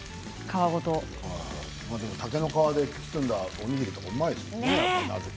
竹の皮で包んだおにぎりはおいしいですよね。